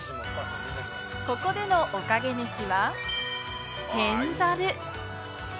ここでのおかげ飯は天ざる。